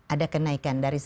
ada kenaikan dari seratus